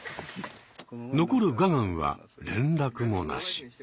残るガガンは連絡もなし。